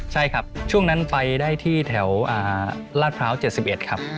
ใช่ครับช่วงนั้นไฟได้ที่แถวลาดพร้าว๗๑ครับ